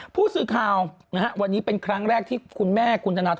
ผู้สื่อข่าวนะฮะวันนี้เป็นครั้งแรกที่คุณแม่คุณธนทร